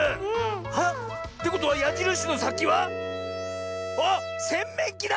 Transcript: あっってことはやじるしのさきはあっせんめんきだ！